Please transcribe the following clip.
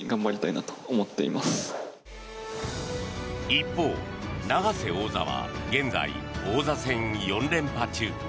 一方、永瀬王座は現在、王座戦４連覇中。